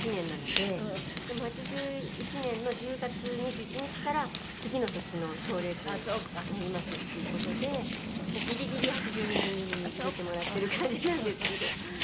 でも８１年の１０月２１日から次の年の賞レースになりますっていう事でギリギリ８２年組に入れてもらっている感じなんですけど。